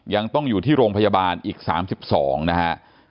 ยังต้องอยู่ที่โรงพยาบาลอีก๓๒นะฮะ